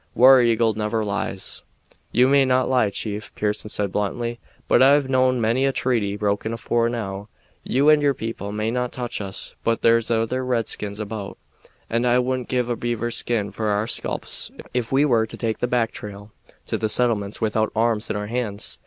"War Eagle never lies." "You may not lie, chief," Pearson said bluntly, "but I've known many a treaty broken afore now. You and your people may not touch us, but there's other redskins about, and I wouldn't give a beaver's skin for our sculps ef we were to take the back trail to the settlements without arms in our hands.